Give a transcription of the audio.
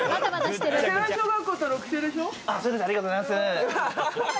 ありがとうございます。